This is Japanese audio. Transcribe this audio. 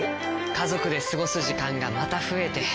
家族で過ごす時間がまた増えて。